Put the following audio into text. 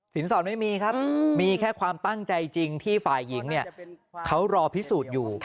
สอดไม่มีครับมีแค่ความตั้งใจจริงที่ฝ่ายหญิงเขารอพิสูจน์อยู่